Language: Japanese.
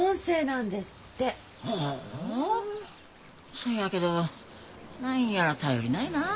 そやけど何やら頼りないなあ。